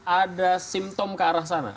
ada simptom ke arah sana